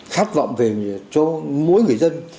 khát vọng về cho mỗi người dân